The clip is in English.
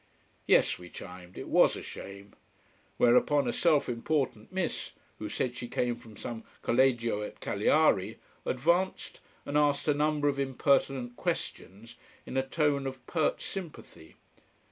Yes, we chimed, it was a shame. Whereupon a self important miss who said she came from some Collegio at Cagliari advanced and asked a number of impertinent questions in a tone of pert sympathy.